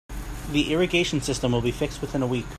The irrigation system will be fixed within a week.